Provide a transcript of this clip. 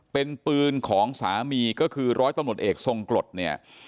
เป็นปืนของสามีก็คือร้อยตำรวจเอกทรงกรดเนี่ย